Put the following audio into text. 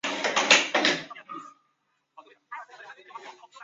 分生孢子造成木材组织增生并开始损害维管束系统。